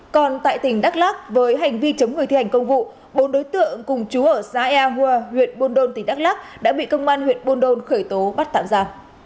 còn tại tỉnh đắk lắc với hành vi chống người thi hành công vụ bốn đối tượng cùng chú ở xã ea hùa huyện buôn đôn tỉnh đắk lắc đã bị công an huyện buôn đôn khởi tố bắt tạm ra